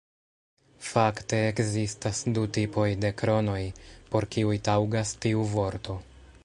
Fakte ekzistas du tipoj de kronoj, por kiuj taŭgas tiu vorto.